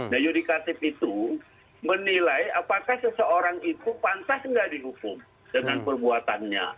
nah yudikatif itu menilai apakah seseorang itu pantas nggak dihukum dengan perbuatannya